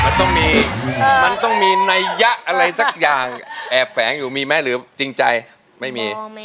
มันต้องมีมันต้องมีนัยยะอะไรสักอย่างแอบแฝงอยู่มีไหมหรือจริงใจไม่มี